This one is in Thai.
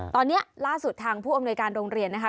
ตอนนี้ล่าสุดทางผู้อำนวยการโรงเรียนนะคะ